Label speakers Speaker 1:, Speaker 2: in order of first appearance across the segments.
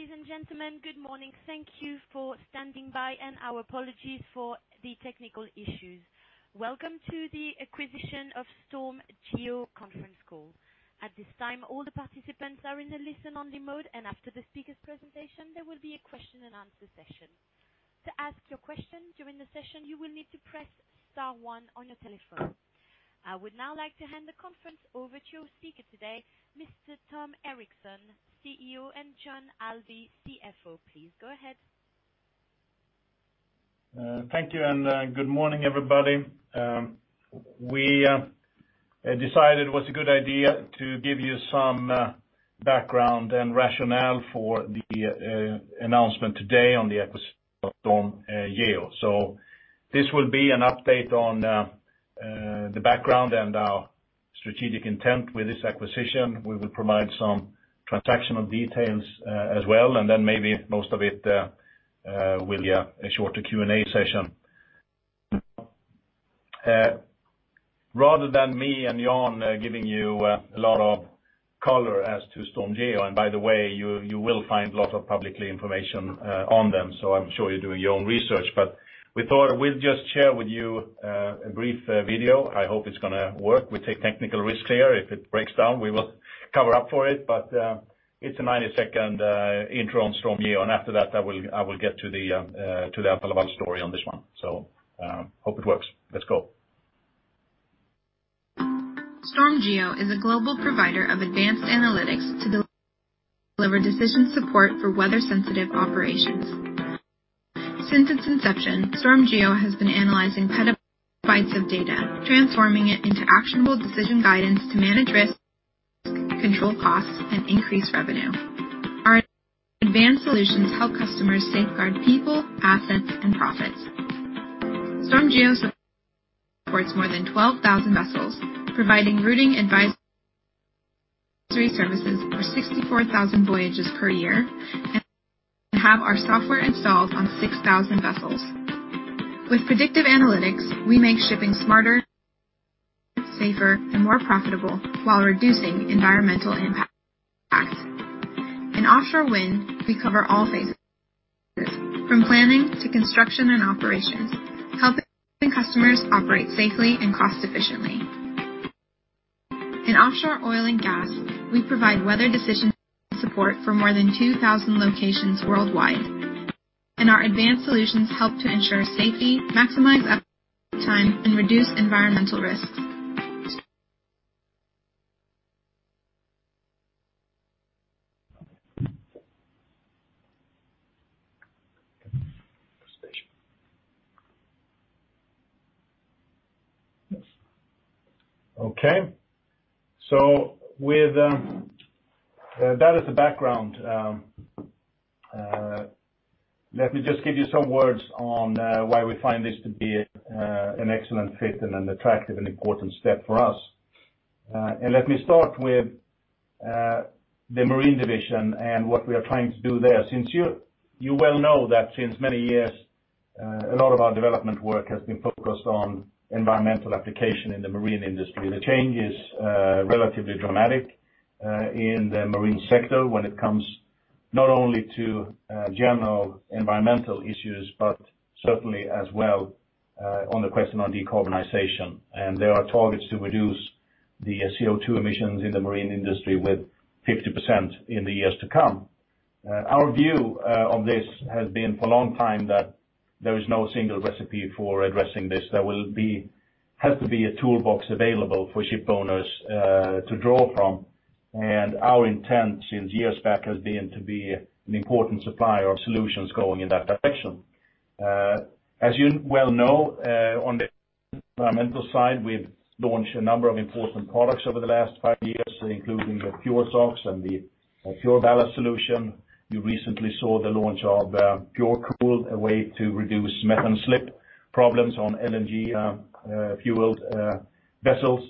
Speaker 1: Ladies and gentlemen, good morning. Thank you for standing by, and our apologies for the technical issues. Welcome to the acquisition of StormGeo conference call. I would now like to hand the conference over to our speaker today, Mr. Tom Erixon, CEO, and Jan Allde, CFO. Please go ahead.
Speaker 2: Thank you. Good morning, everybody. We decided it was a good idea to give you some background and rationale for the announcement today on the acquisition of StormGeo. This will be an update on the background and our strategic intent with this acquisition. We will provide some transactional details as well. Then maybe most of it will be a shorter Q&A session. Rather than me and Jan giving you a lot of color as to StormGeo, and by the way, you will find a lot of public information on them. I'm sure you're doing your own research. We thought we'd just share with you a brief video. I hope it's going to work. We take technical risk here. If it breaks down, we will cover up for it. It's a 90-second intro on StormGeo, and after that, I will get to the Alfa Laval story on this one. Hope it works. Let's go.
Speaker 3: StormGeo is a global provider of advanced analytics to deliver decision support for weather-sensitive operations. Since its inception, StormGeo has been analyzing petabytes of data, transforming it into actionable decision guidance to manage risks, control costs, and increase revenue. Our advanced solutions help customers safeguard people, assets, and profits. StormGeo supports more than 12,000 vessels, providing routing advice, three services for 64,000 voyages per year, and have our software installed on 6,000 vessels. With predictive analytics, we make shipping smarter, safer, and more profitable while reducing environmental impacts. In offshore wind, we cover all phases, from planning to construction and operations, helping customers operate safely and cost-efficiently. In offshore oil and gas, we provide weather decision support for more than 2,000 locations worldwide, and our advanced solutions help to ensure safety, maximize uptime, and reduce environmental risk.
Speaker 2: Okay. With that as the background, let me just give you some words on why we find this to be an excellent fit and an attractive and important step for us. Let me start with the Marine Division and what we are trying to do there. Since you well know that since many years, a lot of our development work has been focused on environmental application in the marine industry. The change is relatively dramatic in the marine sector when it comes not only to general environmental issues, but certainly as well on the question on decarbonization. There are targets to reduce the CO2 emissions in the marine industry with 50% in the years to come. Our view of this has been for a long time that there is no single recipe for addressing this. There has to be a toolbox available for ship owners to draw from, and our intent since years back has been to be an important supplier of solutions going in that direction. As you well know, on the environmental side, we've launched a number of important products over the last five years, including the PureSOx and the PureBallast solution. You recently saw the launch of PureCool, a way to reduce methane slip problems on energy-fueled vessels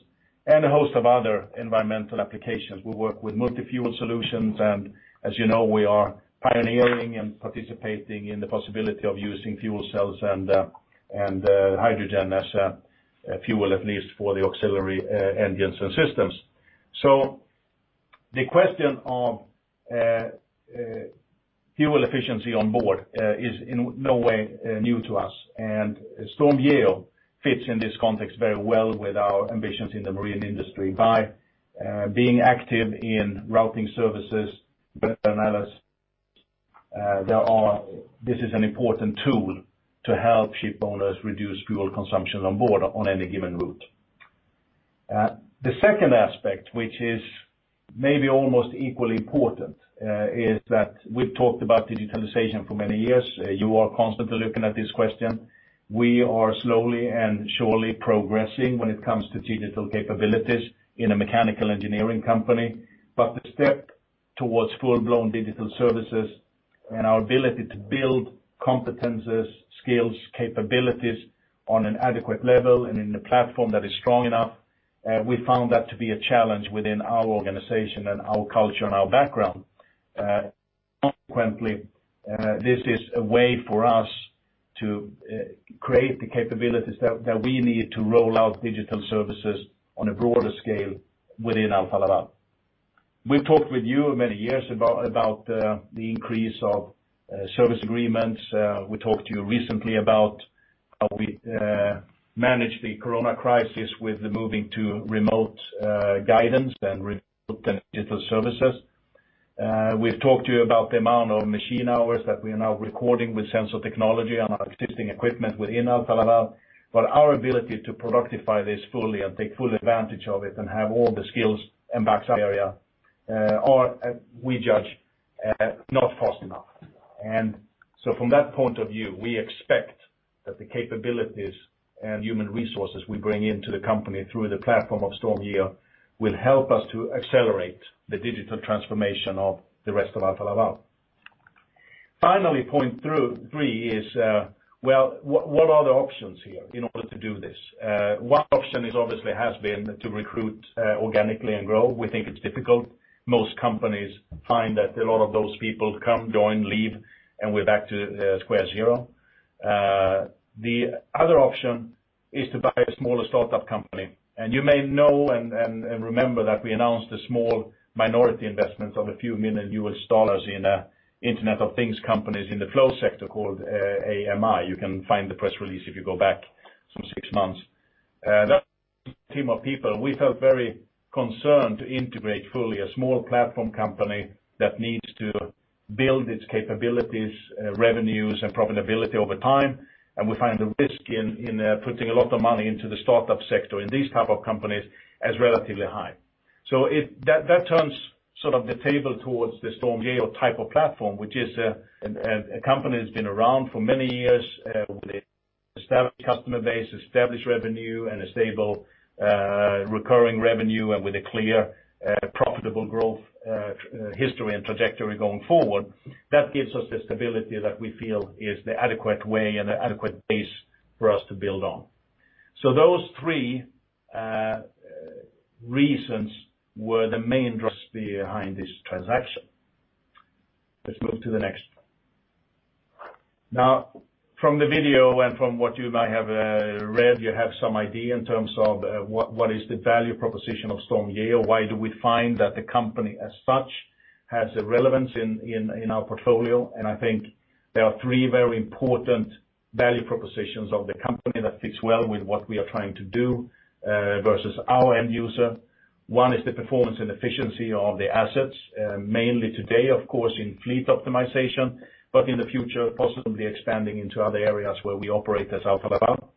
Speaker 2: and a host of other environmental applications. We work with multi-fuel solutions, and as you know, we are pioneering and participating in the possibility of using fuel cells and hydrogen as a fuel, at least for the auxiliary engines and systems. The question of fuel efficiency on board is in no way new to us, StormGeo fits in this context very well with our ambitions in the marine industry by being active in routing services, weather analysis. This is an important tool to help ship owners reduce fuel consumption on board on any given route. The second aspect, which is maybe almost equally important, is that we've talked about digitalization for many years. You are constantly looking at this question. We are slowly and surely progressing when it comes to digital capabilities in a mechanical engineering company. The step towards full-blown digital services and our ability to build competencies, skills, capabilities on an adequate level and in a platform that is strong enough, we found that to be a challenge within our organization and our culture and our background. Consequently, this is a way for us to create the capabilities that we need to roll out digital services on a broader scale within Alfa Laval. We've talked with you many years about the increase of service agreements. We talked to you recently about how we manage the corona crisis with the moving to remote guidance and remote digital services. We've talked to you about the amount of machine hours that we are now recording with sensor technology on our existing equipment within Alfa Laval. Our ability to productify this fully and take full advantage of it and have all the skills and backs area are, we judge, not fast enough. From that point of view, we expect that the capabilities and human resources we bring into the company through the platform of StormGeo will help us to accelerate the digital transformation of the rest of Alfa Laval. Finally, point three is, well, what are the options here in order to do this? One option is obviously has been to recruit organically and grow. We think it's difficult. Most companies find that a lot of those people come, join, leave, and we're back to square zero. The other option is to buy a smaller startup company. You may know and remember that we announced a small minority investment of a few million U.S. dollars in Internet of Things companies in the flow sector called AMI. You can find the press release if you go back some 6 months. That team of people, we felt very concerned to integrate fully a small platform company that needs to build its capabilities, revenues, and profitability over time. We find the risk in putting a lot of money into the startup sector in these type of companies as relatively high. That turns sort of the table towards the StormGeo type of platform, which is a company that's been around for many years with established customer base, established revenue, and a stable recurring revenue, and with a clear profitable growth history and trajectory going forward. That gives us the stability that we feel is the adequate way and adequate base for us to build on. Those three reasons were the main thrust behind this transaction. Let's move to the next. Now from the video and from what you might have read, you have some idea in terms of what is the value proposition of StormGeo, why do we find that the company as such has a relevance in our portfolio. I think there are three very important value propositions of the company that fits well with what we are trying to do versus our end user. One is the performance and efficiency of the assets, mainly today, of course, in fleet optimization, but in the future, possibly expanding into other areas where we operate as Alfa Laval.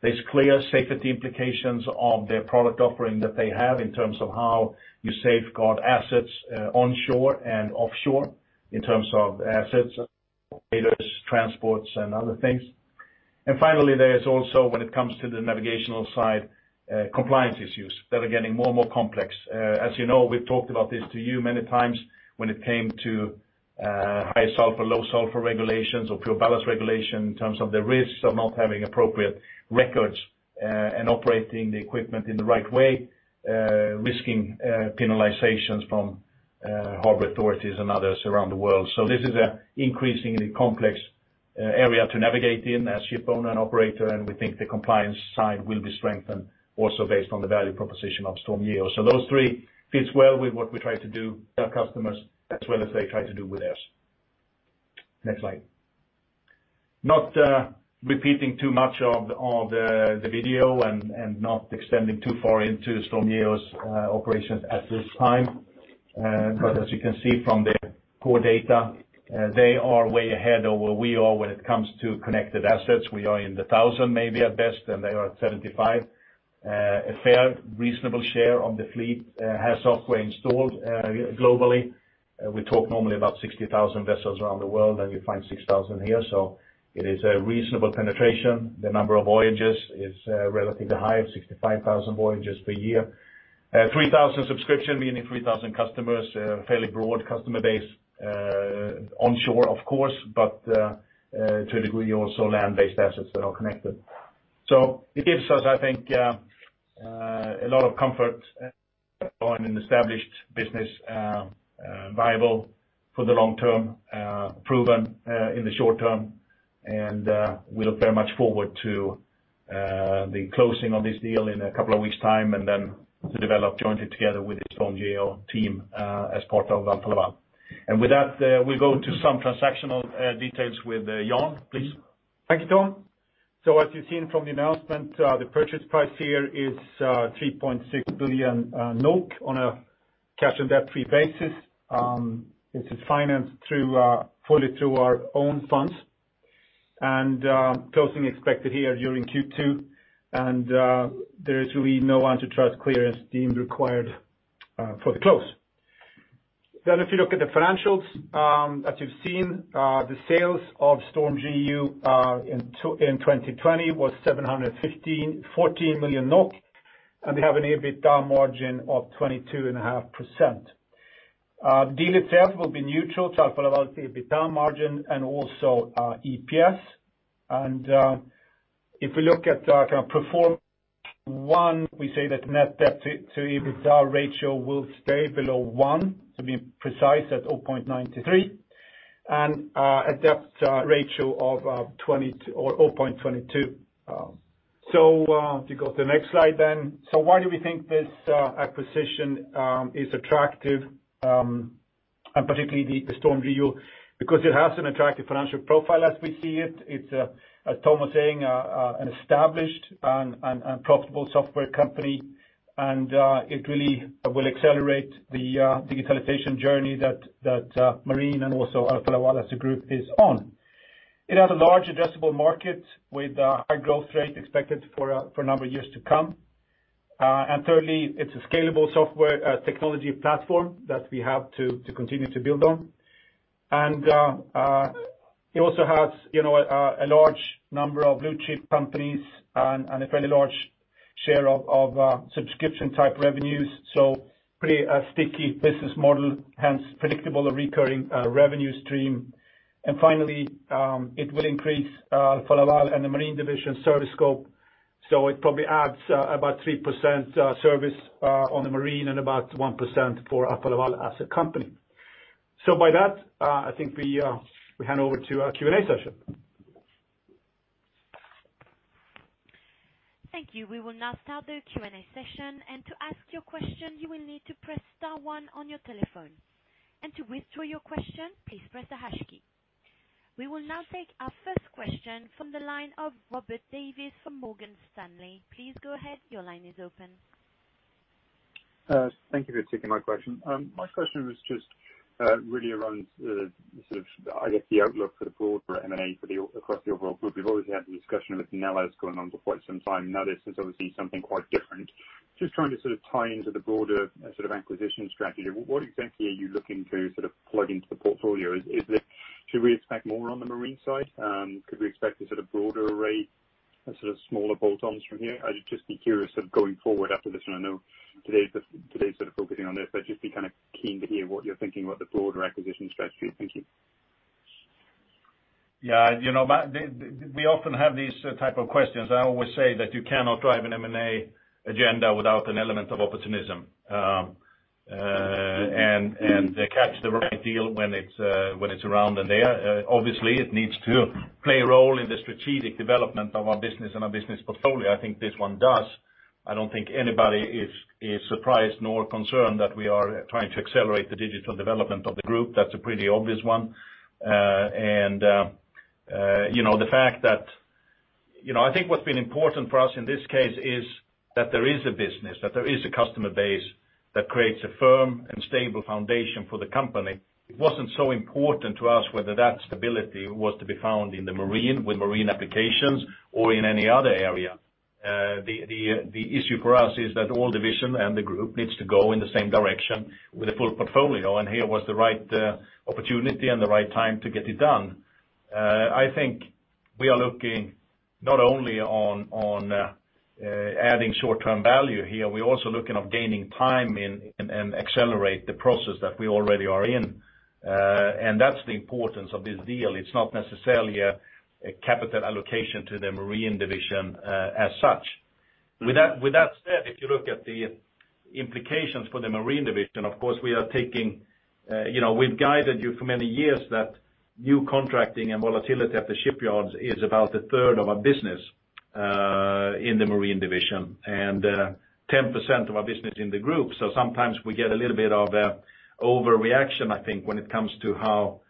Speaker 2: There's clear safety implications of their product offering that they have in terms of how you safeguard assets onshore and offshore in terms of assets, transports, and other things. Finally, there is also, when it comes to the navigational side, compliance issues that are getting more and more complex. As you know, we've talked about this to you many times when it came to high sulfur, low sulfur regulations or PureBallast regulation in terms of the risks of not having appropriate records and operating the equipment in the right way, risking penalizations from harbor authorities and others around the world. This is an increasingly complex area to navigate in as ship owner and operator, and we think the compliance side will be strengthened also based on the value proposition of StormGeo. Those three fits well with what we try to do with our customers, as well as they try to do with theirs. Next slide. Not repeating too much of the video and not extending too far into StormGeo's operations at this time. As you can see from the core data, they are way ahead of where we are when it comes to connected assets. We are in the thousand maybe at best, and they are at 75. A fair, reasonable share of the fleet has software installed globally. We talk normally about 60,000 vessels around the world, and you find 6,000 here, so it is a reasonable penetration. The number of voyages is relatively high at 65,000 voyages per year. 3,000 subscription, meaning 3,000 customers, fairly broad customer base onshore of course, but to a degree also land-based assets that are connected. It gives us, I think, a lot of comfort on an established business viable for the long term, proven in the short term, and we look very much forward to the closing of this deal in a couple of weeks time, and then to develop jointly together with the StormGeo team as part of Alfa Laval. With that, we go to some transactional details with Jan, please.
Speaker 4: Thank you, Tom. As you've seen from the announcement, the purchase price here is 3.6 billion NOK on a cash and debt-free basis. It is financed fully through our own funds. Closing expected here during Q2, and there is really no antitrust clearance deemed required for the close. If you look at the financials, as you've seen, the sales of StormGeo in 2020 was 714 million NOK, and they have an EBITDA margin of 22.5%. Deal itself will be neutral to Alfa Laval's EBITDA margin and also our EPS. If we look at kind of perform. One, we say that net debt to EBITDA ratio will stay below 1, to be precise, at 0.93, and a debt ratio of 0.22. If you go to the next slide. Why do we think this acquisition is attractive, and particularly the StormGeo? Because it has an attractive financial profile as we see it. It's, as Tom was saying, an established and profitable software company. It really will accelerate the digitalization journey that Marine and also Alfa Laval as a group is on. It has a large addressable market with a high growth rate expected for a number of years to come. Thirdly, it's a scalable software technology platform that we have to continue to build on. It also has a large number of blue-chip companies and a fairly large share of subscription-type revenues, so pretty sticky business model, hence predictable and recurring revenue stream. Finally, it will increase Alfa Laval and the Marine Division service scope. It probably adds about 3% service on the Marine and about 1% for Alfa Laval as a company. By that, I think we hand over to our Q&A session.
Speaker 1: Thank you. We will now start the Q&A session. To ask your question, you will need to press star one on your telephone. To withdraw your question, please press the hash key. We will now take our first question from the line of Robert Davies from Morgan Stanley. Please go ahead.
Speaker 5: Thank you for taking my question. My question was just really around the sort of, I guess, the outlook for the broader M&A across the overall group. We've always had the discussion with analysts going on for quite some time. This is obviously something quite different. Just trying to sort of tie into the broader sort of acquisition strategy. What exactly are you looking to sort of plug into the portfolio? Should we expect more on the Marine side? Could we expect a sort of broader array and sort of smaller bolt-ons from here? I'd just be curious of going forward after this, and I know today's sort of focusing on this, but just be kind of keen to hear what you're thinking about the broader acquisition strategy. Thank you.
Speaker 2: Yeah. We often have these type of questions. I always say that you cannot drive an M&A agenda without an element of opportunism, and catch the right deal when it's around and there. Obviously, it needs to play a role in the strategic development of our business and our business portfolio. I think this one does. I don't think anybody is surprised nor concerned that we are trying to accelerate the digital development of the group. That's a pretty obvious one. I think what's been important for us in this case is that there is a business, that there is a customer base that creates a firm and stable foundation for the company. It wasn't so important to us whether that stability was to be found in the Marine, with Marine applications, or in any other area. The issue for us is that all division and the group needs to go in the same direction with a full portfolio. Here was the right opportunity and the right time to get it done. I think we are looking not only on adding short-term value here, we're also looking of gaining time and accelerate the process that we already are in. That's the importance of this deal. It's not necessarily a capital allocation to the Marine Division as such. With that said, if you look at the implications for the Marine Division, of course, we've guided you for many years that new contracting and volatility at the shipyards is about a third of our business, in the Marine Division, and 10% of our business in the group. Sometimes we get a little bit of a overreaction, I think, when it comes to how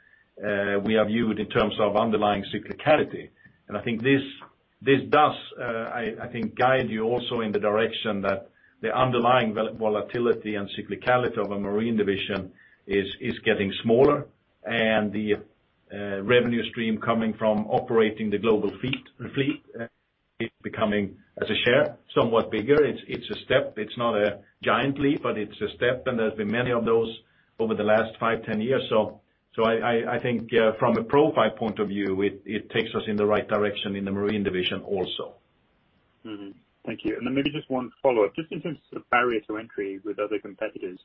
Speaker 2: we are viewed in terms of underlying cyclicality. I think this does guide you also in the direction that the underlying volatility and cyclicality of a Marine Division is getting smaller, and the revenue stream coming from operating the global fleet is becoming, as a share, somewhat bigger. It's a step. It's not a giant leap, but it's a step, and there's been many of those over the last five, 10 years. I think from a profile point of view, it takes us in the right direction in the Marine Division also.
Speaker 5: Mm-hmm. Thank you. Maybe just one follow-up. Just in terms of barrier to entry with other competitors,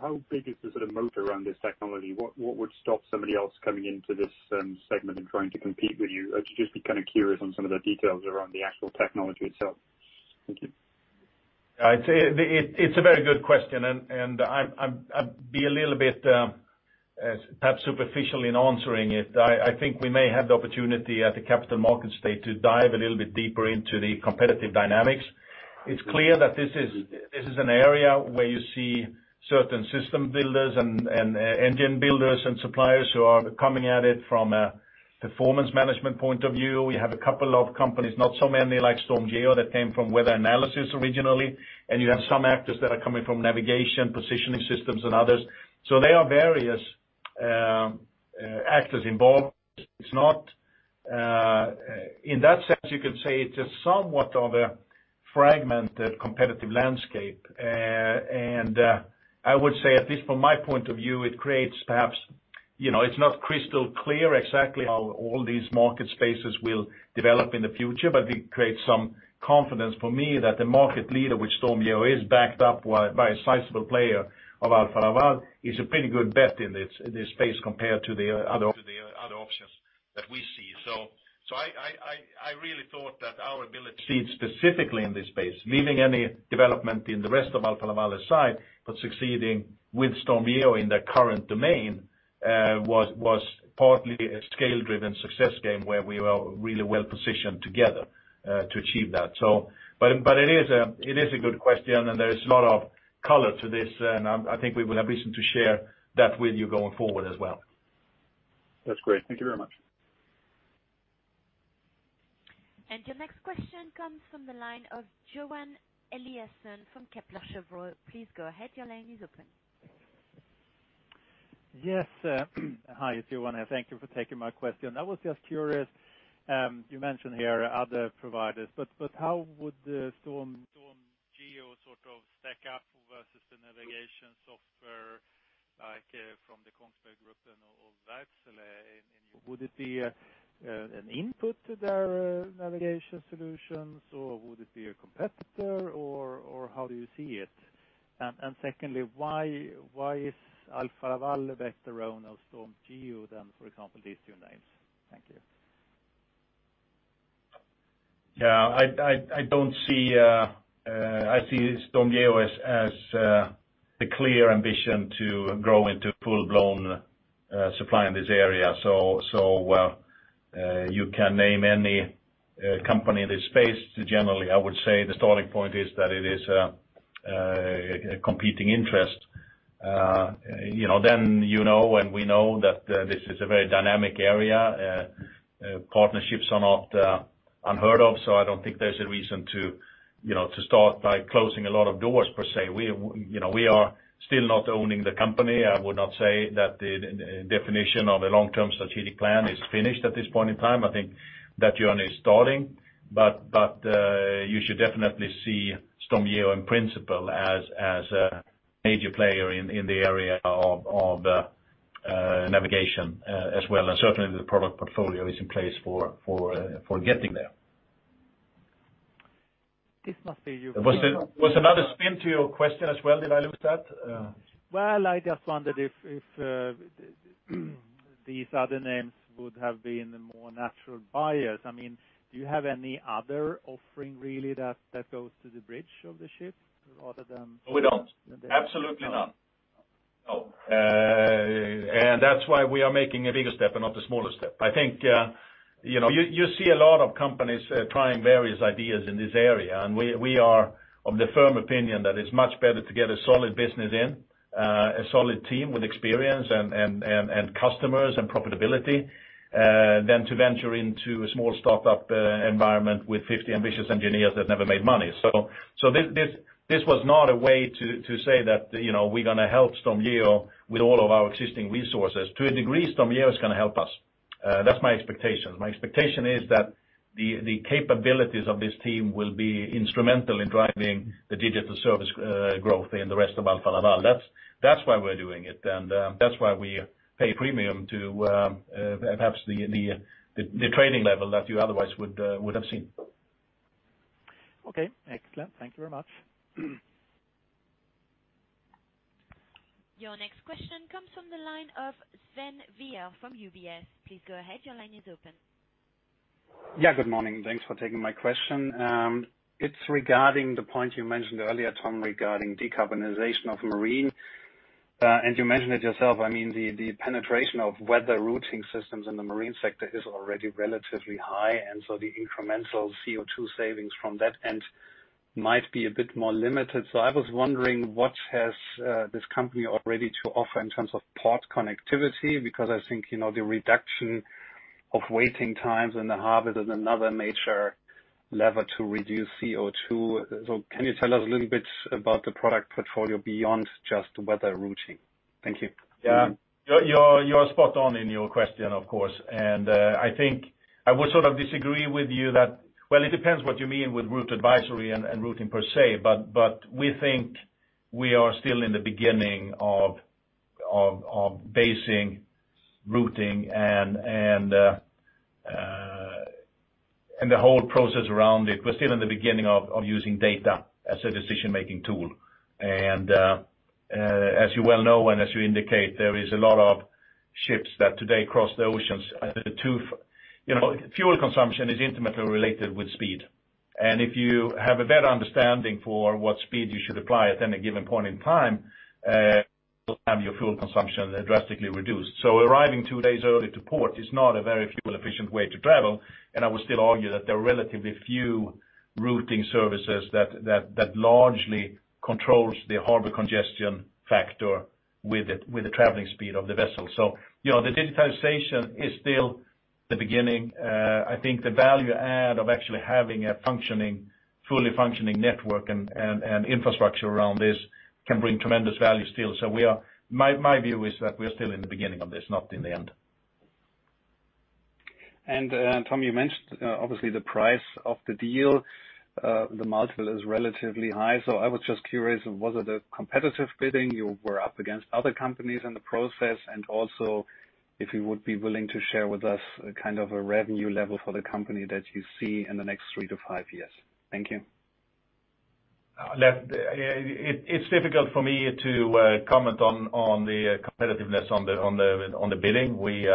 Speaker 5: how big is the sort of moat around this technology? What would stop somebody else coming into this segment and trying to compete with you? I'd just be kind of curious on some of the details around the actual technology itself. Thank you.
Speaker 2: It's a very good question, and I'd be a little bit perhaps superficial in answering it. I think we may have the opportunity at the capital markets day to dive a little bit deeper into the competitive dynamics. It's clear that this is an area where you see certain system builders and engine builders and suppliers who are coming at it from a performance management point of view. We have a couple of companies, not so many like StormGeo, that came from weather analysis originally. You have some actors that are coming from navigation, positioning systems, and others. There are various actors involved. In that sense, you could say it's a somewhat of a fragmented competitive landscape. I would say, at least from my point of view. It's not crystal clear exactly how all these market spaces will develop in the future, but it creates some confidence for me that the market leader, which StormGeo is, backed up by a sizable player of Alfa Laval, is a pretty good bet in this space compared to the other options. I really thought that our ability specifically in this space, leaving any development in the rest of Alfa Laval aside, but succeeding with StormGeo in their current domain, was partly a scale-driven success game where we were really well-positioned together to achieve that. It is a good question, and there is a lot of color to this, and I think we will have reason to share that with you going forward as well.
Speaker 5: That's great. Thank you very much.
Speaker 1: Your next question comes from the line of Johan Eliason from Kepler Cheuvreux. Please go ahead. Your line is open.
Speaker 6: Yes. Hi, it's Johan here. Thank you for taking my question. I was just curious. You mentioned here other providers, how would the StormGeo sort of stack up versus the navigation software, like from the Kongsberg Group and all that? Would it be an input to their navigation solutions, or would it be a competitor? How do you see it? Secondly, why is Alfa Laval better owner of StormGeo than, for example, these two names? Thank you.
Speaker 2: Yeah. I see StormGeo as a clear ambition to grow into full-blown supply in this area. You can name any company in this space. Generally, I would say the starting point is that it is a competing interest. You know and we know that this is a very dynamic area. Partnerships are not unheard of, so I don't think there's a reason to start by closing a lot of doors per se. We are still not owning the company. I would not say that the definition of a long-term strategic plan is finished at this point in time. I think that journey is starting. You should definitely see StormGeo in principle as a major player in the area of navigation as well. Certainly, the product portfolio is in place for getting there.
Speaker 6: This must be.
Speaker 2: Was there another spin to your question as well, did I lose that?
Speaker 6: Well, I just wondered if these other names would have been the more natural buyers. Do you have any other offering really that goes to the bridge of the ship other than-
Speaker 2: We don't. Absolutely not. No. That's why we are making a bigger step and not a smaller step. I think you see a lot of companies trying various ideas in this area, and we are of the firm opinion that it's much better to get a solid business in, a solid team with experience and customers and profitability, than to venture into a small startup environment with 50 ambitious engineers that never made money. This was not a way to say that we're going to help StormGeo with all of our existing resources. To a degree, StormGeo is going to help us. That's my expectation. My expectation is that the capabilities of this team will be instrumental in driving the digital service growth in the rest of Alfa Laval. That's why we're doing it. That's why we pay a premium to perhaps the training level that you otherwise would have seen.
Speaker 6: Okay. Excellent. Thank you very much.
Speaker 1: Your next question comes from the line of Sven Weier from UBS. Please go ahead. Your line is open.
Speaker 7: Yeah, good morning. Thanks for taking my question. It's regarding the point you mentioned earlier, Tom, regarding decarbonization of marine. You mentioned it yourself, the penetration of weather routing systems in the marine sector is already relatively high, and so the incremental CO2 savings from that end might be a bit more limited. I was wondering what has this company already to offer in terms of port connectivity, because I think the reduction of waiting times in the harbor is another major lever to reduce CO2. Can you tell us a little bit about the product portfolio beyond just weather routing? Thank you.
Speaker 2: Yeah. You're spot on in your question, of course. I think I would sort of disagree with you that Well, it depends what you mean with route advisory and routing per se, but we think we are still in the beginning of basing routing and the whole process around it. We're still in the beginning of using data as a decision-making tool. As you well know and as you indicate, there is a lot of ships that today cross the oceans. Fuel consumption is intimately related with speed. If you have a better understanding for what speed you should apply at any given point in time, you'll have your fuel consumption drastically reduced. Arriving two days early to port is not a very fuel-efficient way to travel, and I would still argue that there are relatively few routing services that largely controls the harbor congestion factor with the traveling speed of the vessel. The digitization is still the beginning. I think the value add of actually having a fully functioning network and infrastructure around this can bring tremendous value still. My view is that we are still in the beginning of this, not in the end.
Speaker 7: Tom, you mentioned, obviously, the price of the deal. The multiple is relatively high. I was just curious, was it a competitive bidding, you were up against other companies in the process? Also, if you would be willing to share with us a kind of a revenue level for the company that you see in the next three to five years. Thank you.
Speaker 2: It's difficult for me to comment on the competitiveness on the bidding. We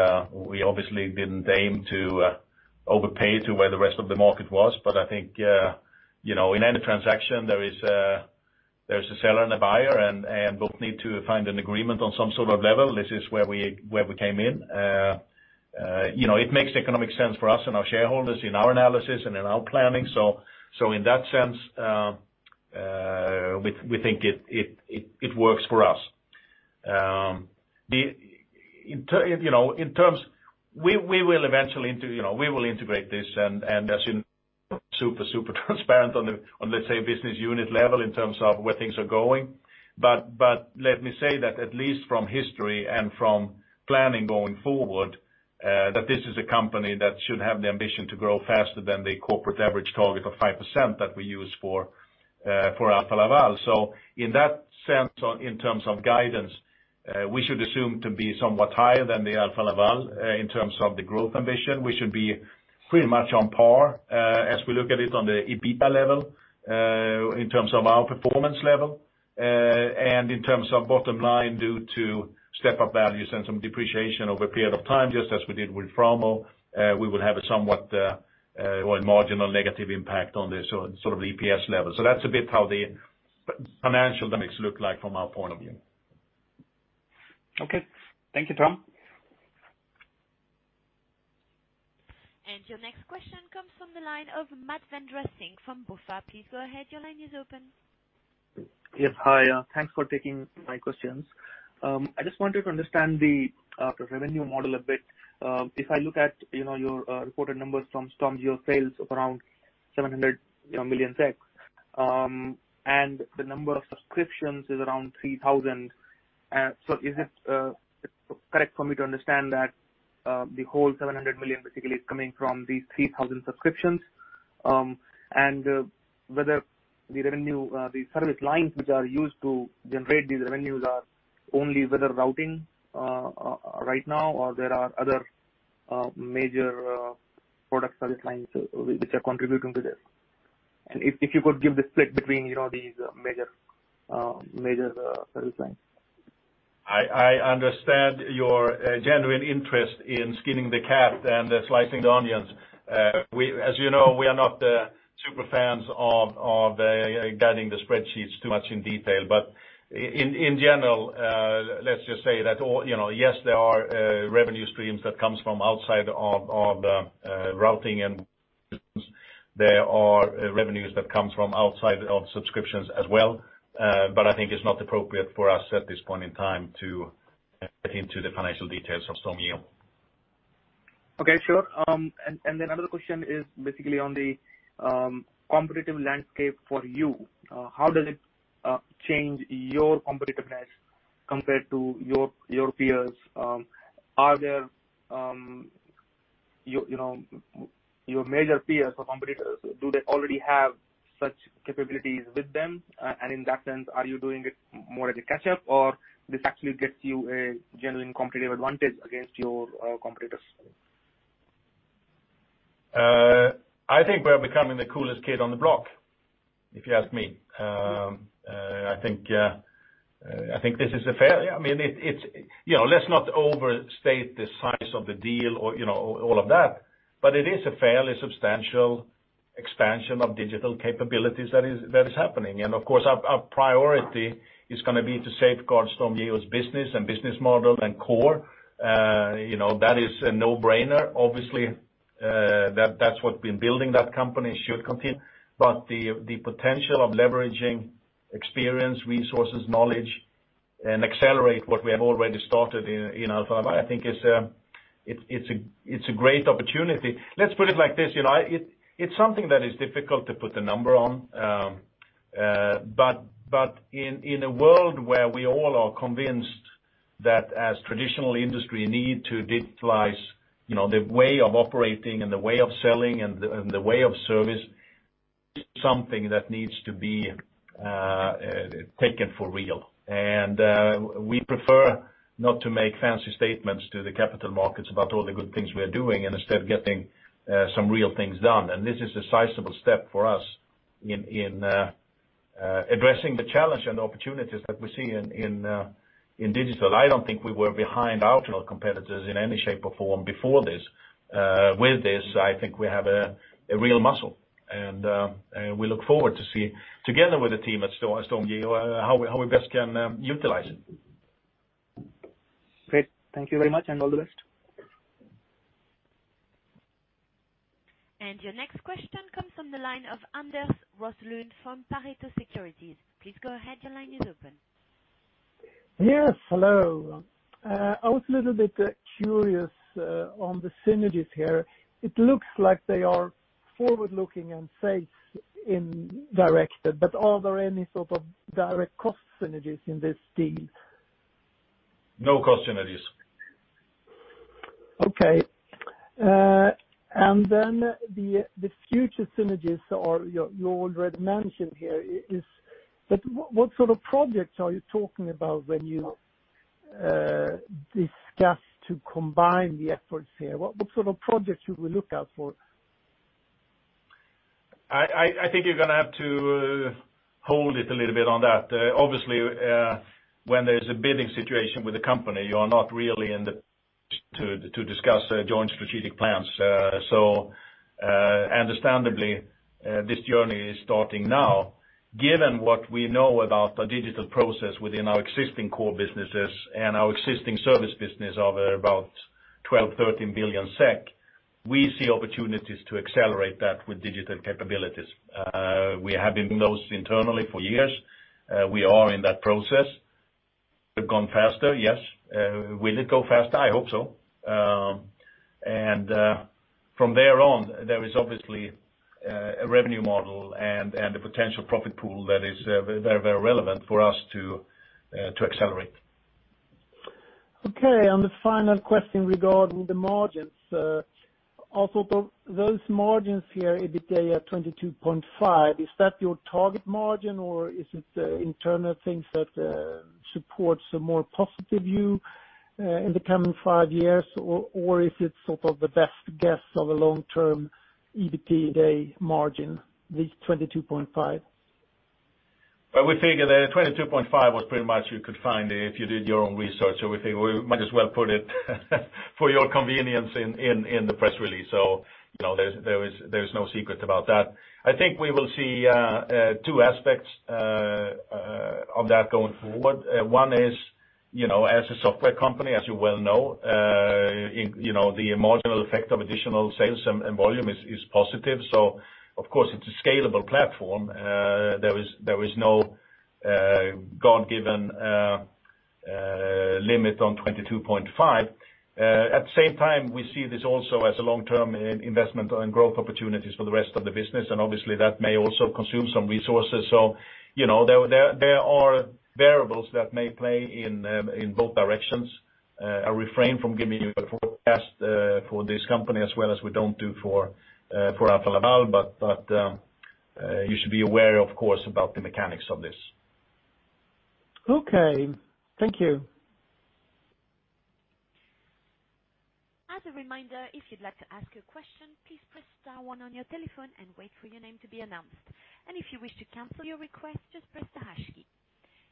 Speaker 2: obviously didn't aim to overpay to where the rest of the market was. I think, in any transaction, there's a seller and a buyer, and both need to find an agreement on some sort of level. This is where we came in. It makes economic sense for us and our shareholders in our analysis and in our planning. In that sense, we think it works for us. We will integrate this, and as you know, super transparent on the, let's say, business unit level in terms of where things are going. Let me say that at least from history and from planning going forward, that this is a company that should have the ambition to grow faster than the corporate average target of 5% that we use for Alfa Laval. In that sense, in terms of guidance, we should assume to be somewhat higher than the Alfa Laval, in terms of the growth ambition. We should be pretty much on par, as we look at it on the EBITDA level, in terms of our performance level. In terms of bottom line, due to step-up values and some depreciation over a period of time, just as we did with Framo, we would have a somewhat marginal negative impact on the EPS level. That's a bit how the financial dynamics look like from our point of view.
Speaker 7: Okay. Thank you, Tom.
Speaker 1: Your next question comes from the line of Madhav Chandrasinh from BofA.
Speaker 8: Yes. Hi. Thanks for taking my questions. I just wanted to understand the revenue model a bit. If I look at your reported numbers from StormGeo sales of around 700 million, the number of subscriptions is around 3,000. Is it correct for me to understand that the whole 700 million basically is coming from these 3,000 subscriptions? Whether the service lines which are used to generate these revenues are only weather routing right now, or there are other major product service lines which are contributing to this? If you could give the split between these major service lines.
Speaker 2: I understand your genuine interest in skinning the cat and slicing the onions. As you know, we are not super fans of guiding the spreadsheets too much in detail. In general, let's just say that, yes, there are revenue streams that comes from outside of routing. There are revenues that come from outside of subscriptions as well. I think it's not appropriate for us at this point in time to get into the financial details of StormGeo.
Speaker 8: Okay, sure. Another question is basically on the competitive landscape for you. How does it change your competitiveness compared to your peers? Your major peers or competitors, do they already have such capabilities with them? In that sense, are you doing it more as a catch-up, or this actually gets you a genuine competitive advantage against your competitors?
Speaker 2: I think we're becoming the coolest kid on the block, if you ask me. I think. Let's not overstate the size of the deal or all of that, but it is a fairly substantial expansion of digital capabilities that is happening. Of course, our priority is going to be to safeguard StormGeo's business and business model and core. That is a no-brainer. Obviously, that's what been building that company should continue. The potential of leveraging experience, resources, knowledge, and accelerate what we have already started in Alfa Laval, I think it's a great opportunity. Let's put it like this, it's something that is difficult to put a number on. In a world where we all are convinced that as traditional industry need to digitalize the way of operating and the way of selling and the way of service, it's something that needs to be taken for real. We prefer not to make fancy statements to the capital markets about all the good things we are doing, and instead of getting some real things done. This is a sizable step for us in addressing the challenge and opportunities that we see in digital. I don't think we were behind our competitors in any shape or form before this. With this, I think we have a real muscle, and we look forward to see, together with the team at StormGeo, how we best can utilize it.
Speaker 8: Great. Thank you very much, and all the best.
Speaker 1: Your next question comes from the line of Anders Roslund from Pareto Securities. Please go ahead. Your line is open.
Speaker 9: Yes, hello. I was a little bit curious on the synergies here. It looks like they are forward-looking and safe in direction, are there any sort of direct cost synergies in this deal?
Speaker 2: No cost synergies.
Speaker 9: Okay. The future synergies, or you already mentioned here is, but what sort of projects are you talking about when you discuss to combine the efforts here? What sort of projects should we look out for?
Speaker 2: I think you're going to have to hold it a little bit on that. Obviously, when there's a bidding situation with a company, you are not really in the position to discuss joint strategic plans. Understandably, this journey is starting now, given what we know about the digital process within our existing core businesses and our existing service business of about 12 billion-13 billion SEK, we see opportunities to accelerate that with digital capabilities. We have been doing those internally for years. We are in that process. Could've gone faster, yes. Will it go faster? I hope so. From there on, there is obviously a revenue model and a potential profit pool that is very relevant for us to accelerate.
Speaker 9: Okay, the final question regarding the margins. Those margins here, EBITDA 22.5, is that your target margin or is it internal things that supports a more positive view in the coming five years? Is it sort of the best guess of a long-term EBITDA margin, this 22.5?
Speaker 2: Well, we figure that 22.5 was pretty much you could find if you did your own research. We think we might as well put it for your convenience in the press release. There is no secret about that. I think we will see two aspects of that going forward. One is, as a software company, as you well know, the marginal effect of additional sales and volume is positive. Of course it's a scalable platform. There is no God-given limit on 22.5. At the same time, we see this also as a long-term investment and growth opportunities for the rest of the business, and obviously that may also consume some resources. There are variables that may play in both directions. I refrain from giving you a forecast for this company as well as we don't do for Alfa Laval, but you should be aware, of course, about the mechanics of this.
Speaker 9: Okay. Thank you.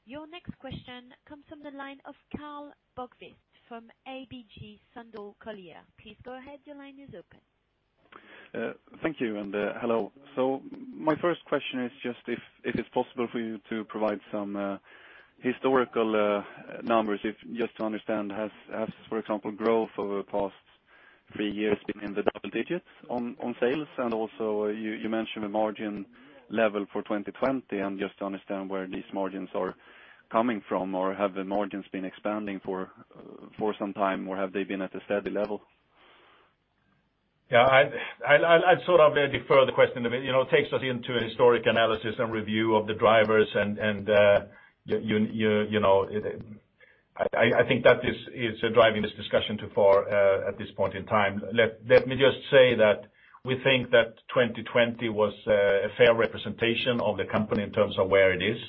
Speaker 1: Your next question comes from the line of Karl Bokvist from ABG Sundal Collier. Please go ahead. Your line is open.
Speaker 10: Thank you, and hello. My first question is just if it is possible for you to provide some historical numbers, just to understand, has, for example, growth over the past three years been in the double digits on sales? Also you mentioned the margin level for 2020, and just to understand where these margins are coming from, or have the margins been expanding for some time, or have they been at a steady level?
Speaker 2: Yeah, I'd sort of defer the question a bit. It takes us into a historic analysis and review of the drivers and I think that is driving this discussion too far at this point in time. Let me just say that we think that 2020 was a fair representation of the company in terms of where it is.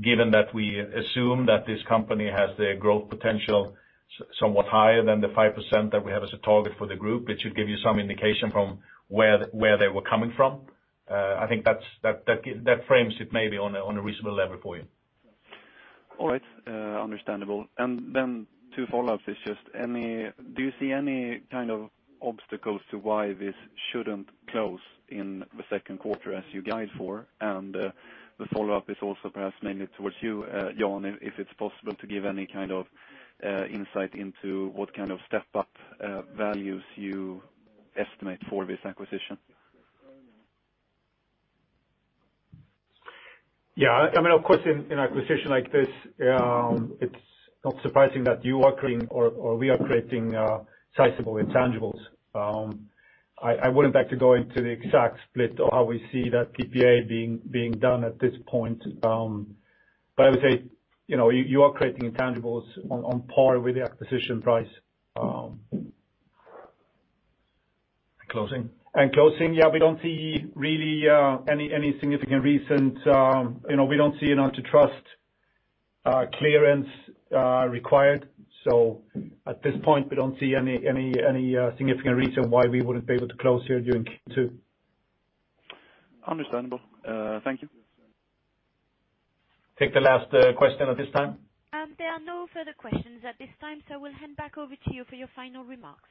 Speaker 2: Given that we assume that this company has the growth potential somewhat higher than the 5% that we have as a target for the group, it should give you some indication from where they were coming from. I think that frames it maybe on a reasonable level for you.
Speaker 10: All right, understandable. Two follow-ups. It's just, do you see any kind of obstacles to why this shouldn't close in the second quarter as you guide for? The follow-up is also perhaps mainly towards you, Jan, if it's possible to give any kind of insight into what kind of step-up values you estimate for this acquisition?
Speaker 4: Yeah, of course in acquisition like this, it's not surprising that you are creating or we are creating sizable intangibles. I wouldn't like to go into the exact split of how we see that PPA being done at this point. I would say, you are creating intangibles on par with the acquisition price.
Speaker 2: Closing?
Speaker 4: Closing, yeah, we don't see really any significant reason. We don't see an antitrust clearance required. At this point, we don't see any significant reason why we wouldn't be able to close here during Q2.
Speaker 10: Understandable. Thank you.
Speaker 2: Take the last question at this time.
Speaker 1: There are no further questions at this time, so we'll hand back over to you for your final remarks.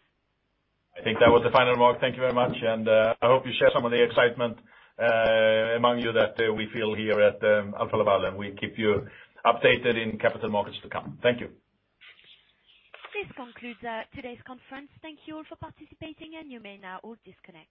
Speaker 2: I think that was the final remark. Thank you very much, and I hope you share some of the excitement among you that we feel here at Alfa Laval, and we keep you updated in capital markets to come. Thank you.
Speaker 1: This concludes today's conference. Thank you all for participating, and you may now all disconnect.